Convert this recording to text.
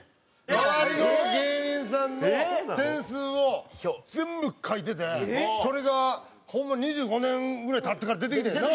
周りの芸人さんの点数を全部書いててそれがホンマ２５年ぐらい経ってから出てきてんな！